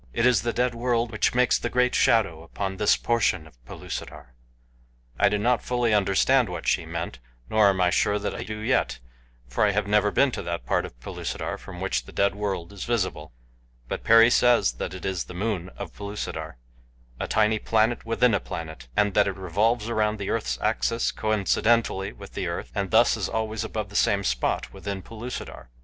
It is the Dead World which makes the great shadow upon this portion of Pellucidar." I did not fully understand what she meant, nor am I sure that I do yet, for I have never been to that part of Pellucidar from which the Dead World is visible; but Perry says that it is the moon of Pellucidar a tiny planet within a planet and that it revolves around the earth's axis coincidently with the earth, and thus is always above the same spot within Pellucidar.